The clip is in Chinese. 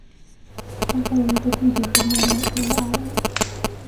他还有一个弟弟和妹妹内奥米。